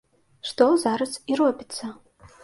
Што зараз і робіцца.